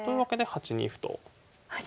８二歩と。